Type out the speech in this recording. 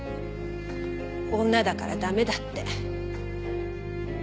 女だから駄目だって。